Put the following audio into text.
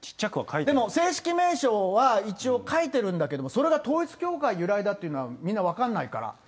でも正式名称は一応書いてるんだけれども、それが統一教会由来だというのはみんな分からないから。